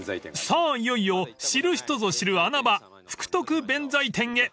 ［さあいよいよ知る人ぞ知る穴場福徳弁財天へ］